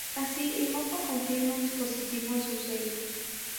Así, el mapa contiene un dispositivo en su sello.